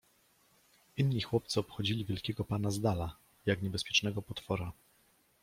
Inni chłopcy obchodzili wielkiego pana z dala, jak niebezpiecznego potwora.